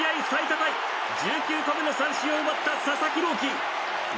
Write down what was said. タイ１９個目の三振を奪った佐々木朗希。